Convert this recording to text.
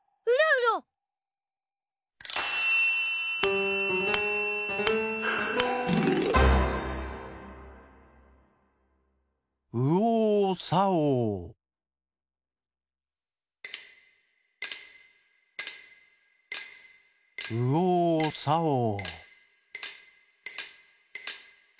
「うおうさおう」。